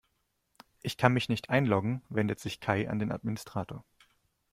Ich kann mich nicht einloggen, wendet sich Kai an den Administrator.